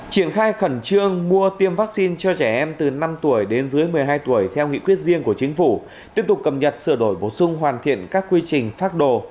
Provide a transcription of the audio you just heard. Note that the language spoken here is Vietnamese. triển khai khẩn trương mua tiêm vaccine cho trẻ em từ năm tuổi đến dưới một mươi hai tuổi theo nghị quyết riêng của chính phủ tiếp tục cập nhật sửa đổi bổ sung hoàn thiện các quy trình phát đồ